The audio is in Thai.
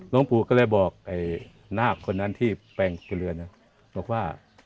หลวงปู่ก็เลยบอกไอ้นาคคนนั้นที่แปลงตัวเรือนบอกว่า